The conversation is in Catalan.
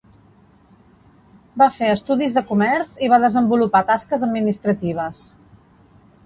Va fer estudis de comerç i va desenvolupar tasques administratives.